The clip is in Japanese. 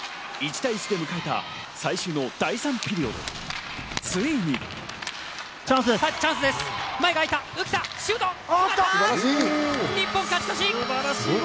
１対１で迎えた最終の第３ピリオド。